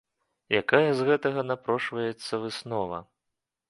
Якая з гэтага напрошваецца выснова?